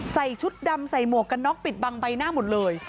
ชุดดำใส่หมวกกันน็อกปิดบังใบหน้าหมดเลย